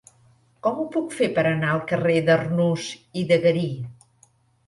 Com ho puc fer per anar al carrer d'Arnús i de Garí?